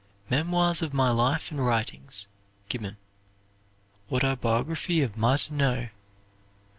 "Memoirs of My Life and Writings," Gibbon. Autobiography of Martineau.